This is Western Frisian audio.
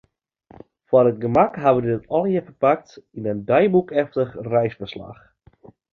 Foar it gemak hawwe wy dit allegearre ferpakt yn in deiboekeftich reisferslach.